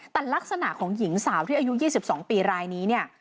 แต่ลักษณะของหญิงสาวที่อายุ๒๒ปีรายนี้เนี่ย